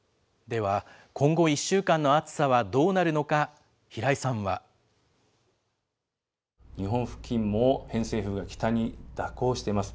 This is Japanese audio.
では、今後１週間の暑さはどうなるのか、平井さんは。日本付近も偏西風が北に蛇行してます。